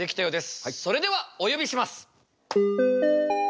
それではお呼びします！